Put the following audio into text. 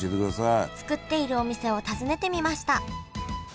作っているお店を訪ねてみました。